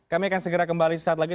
kami akan segera kembali